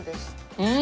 うん。